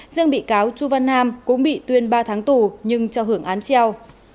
dương bị cáo chu văn nam cũng bị tuyên ba tháng tù nhưng cho hưởng án treo